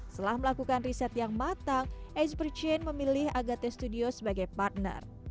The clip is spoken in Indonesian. setelah melakukan riset yang matang ace per chain memilih agate studio sebagai partner